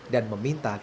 dan meminta kejadian